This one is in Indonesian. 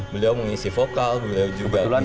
beliau mengisi vokal beliau juga ngisi keyboard